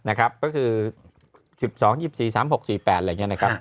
ก็คือ๑๒๒๔๓๖๔๘อะไรอย่างนี้นะครับ